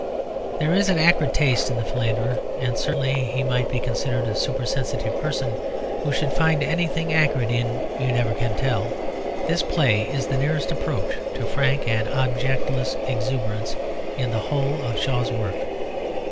There is an acrid taste in The Philanderer; and certainly he might be considered a super sensitive person who should find anything acrid in You Never Can Tell. This play is the nearest approach to frank and objectless exuberance in the whole of Shaw's work.